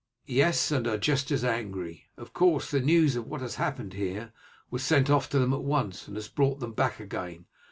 "Yes, and are just as angry. Of course, the news of what has happened here was sent off to them at once, and has brought them back again.